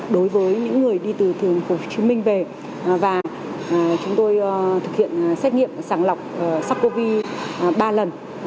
đối với những người đi từ thường hồ chí minh về và chúng tôi thực hiện xét nghiệm sàng lọc sắc covid ba lần